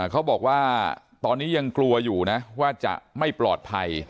เขาบอกว่าตอนนี้ยังกลัวอยู่นะว่าจะไม่ปลอดภัย